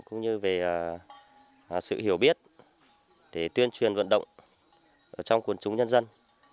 cũng như về sự hiểu biết để tuyên truyền vận động trong quần chúng nhân dân